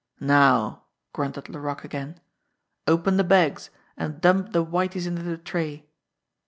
"Now!" grunted Laroque again. "Open the bags, and dump the whities into the tray."